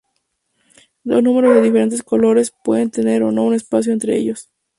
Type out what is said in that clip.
Dos números de diferentes colores pueden tener o no un espacio entre ellos.